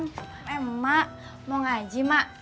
eh emak mau ngaji mak